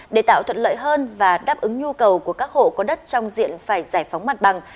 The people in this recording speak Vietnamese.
để tạo thuận lợi hơn và đáp ứng nhu cầu của các hộ có đất trong diện phải giải phóng mặt bằng